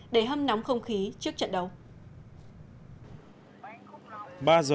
để hâm nóng không khí trước trận đấu